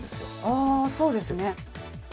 ああそうですね。